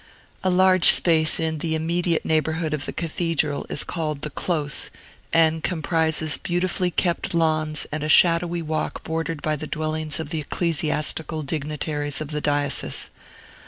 A large space in the immediate neighborhood of the Cathedral is called the Close, and comprises beautifully kept lawns and a shadowy walk bordered by the dwellings of the ecclesiastical dignitaries of the diocese.